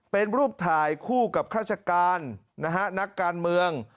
เป็นรูปถ่ายคู่กับราชการนะฮะนักการเมือง